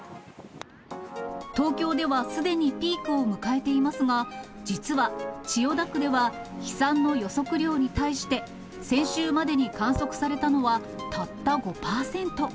東京ではすでにピークを迎えていますが、実は、千代田区では飛散の予測量に対して、先週までに観測されたのは、たった５％。